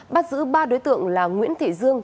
bắt giữ ba đối tượng là nguyễn thị dương